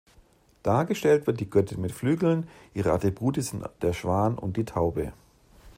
Dargestellt wird die Göttin mit Flügeln, ihre Attribute sind der Schwan und die Taube.